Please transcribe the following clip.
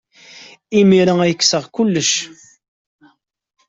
Imir-a ay kkseɣ kullec.